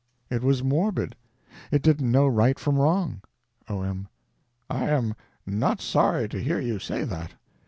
It was morbid. It didn't know right from wrong. O.M. I am not sorry to hear you say that.